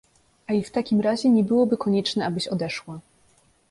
A i w takim razie nie byłoby konieczne, abyś odeszła…